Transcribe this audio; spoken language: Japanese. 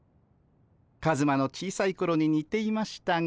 カズマの小さいころに似ていましたが。